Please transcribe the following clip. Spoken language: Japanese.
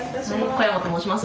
小山と申します。